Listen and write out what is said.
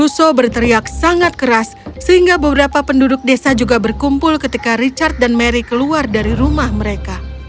russo berteriak sangat keras sehingga beberapa penduduk desa juga berkumpul ketika richard dan mary keluar dari rumah mereka